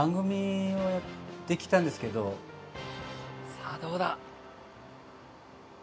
さあどうだ？